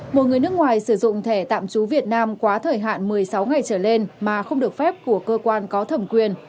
một người nước ngoài sử dụng thẻ tạm trú việt nam quá thời hạn một mươi sáu ngày trở lên mà không được phép của cơ quan có thẩm quyền